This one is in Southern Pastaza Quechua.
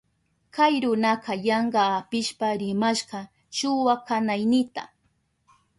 Kay runaka yanka apishpa rimashka shuwa kanaynita.